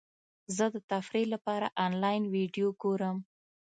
زه د تفریح لپاره انلاین ویډیو ګورم.